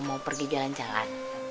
mau pergi jalan jalan